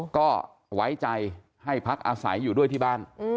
ก็ไว้ใจให้พักอาศัยอยู่ด้วยที่บ้าน